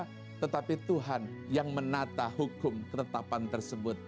kita tetapi tuhan yang menata hukum ketetapan tersebut